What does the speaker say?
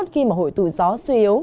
khi mà hội tụ gió suy yếu